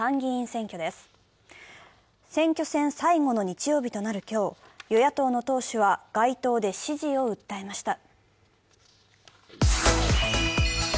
選挙戦最後の日曜日となる今日、与野党の党首は街頭で支持を訴えました。